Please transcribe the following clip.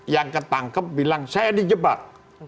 yang ketangkep bilang saya di jebak